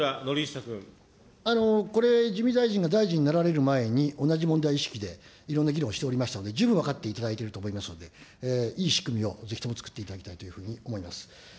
これ、自見大臣が大臣になられる前に、同じ問題意識で、いろんな議論しておりましたんで、十分分かっていただいていると思いますので、いい仕組みをぜひともつくっていただきたいというふうに思います。